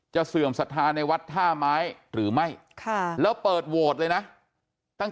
เสื่อมศรัทธาในวัดท่าไม้หรือไม่แล้วเปิดโหวตเลยนะตั้ง